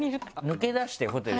抜け出してホテル。